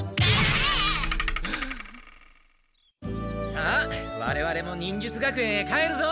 さあわれわれも忍術学園へ帰るぞ！